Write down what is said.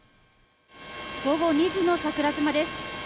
午後２時の桜島です。